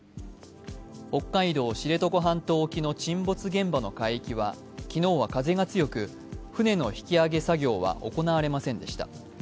北海道・知床半島沖の沈没現場の海域は昨日は風が強く、船の引き揚げ作業は行われませんでした。